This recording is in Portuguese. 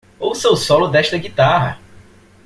Ouça o solo desta guitarra!